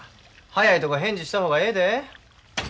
早いとこ返事した方がええで。